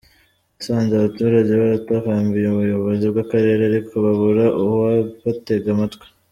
Yasanze abaturage baratakambiye ubuyobozi bw’Akarere ariko babura uwabatega amatwi.